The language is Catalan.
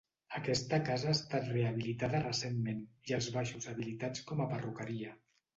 Aquesta casa ha estat rehabilitada recentment, i els baixos habilitats com a perruqueria.